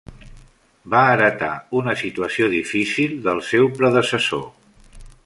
Va heretar una situació difícil del seu predecessor.